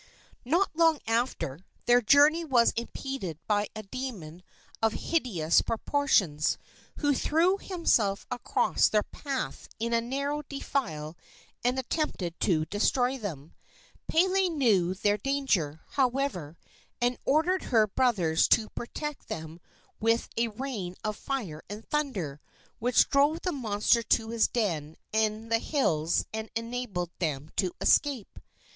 Not long after, their journey was impeded by a demon of hideous proportions, who threw himself across their path in a narrow defile and attempted to destroy them. Pele knew their danger, however, and ordered her brothers to protect them with a rain of fire and thunder, which drove the monster to his den in the hills and enabled them to escape.